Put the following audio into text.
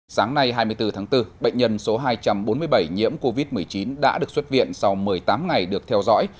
sáng nay hai mươi bốn tháng bốn bệnh nhân số hai trăm bốn mươi bảy nhiễm covid một mươi chín đã được xuất viện sau một mươi tám ngày được theo dõi